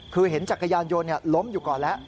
คือเห็นจักรยานยนต์ล้มอยู่ก่อนแล้ว